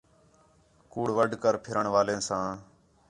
کُوڑ وڈھ کر پِھرݨ والیں ساں